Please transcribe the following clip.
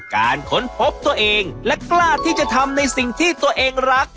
ค้นพบตัวเองและกล้าที่จะทำในสิ่งที่ตัวเองรัก